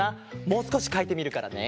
もうすこしかいてみるからね。